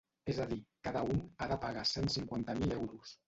És a dir, cada un ha de pagar cent cinquanta mil euros.